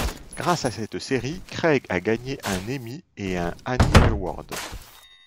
Grâce à cette série, Craig a gagné un Emmy et un Annie Award.